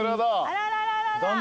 あららら。